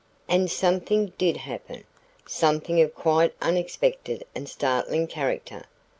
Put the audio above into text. And something did happen, something of quite unexpected and startling character.